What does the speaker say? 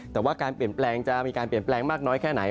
แต่ว่าการเปลี่ยนแปลงจะมีการเปลี่ยนแปลงมากน้อยแค่ไหน